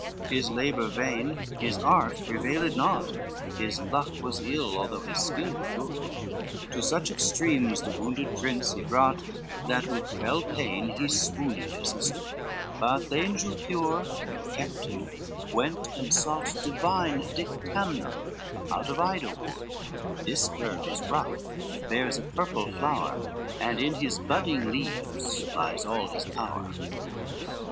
LXXII His labor vain, his art prevailed naught, His luck was ill, although his skill were good, To such extremes the wounded prince he brought, That with fell pain he swooned as he stood: But the angel pure, that kept him, went and sought Divine dictamnum, out of Ida wood, This herb is rough, and bears a purple flower, And in his budding leaves lies all his power.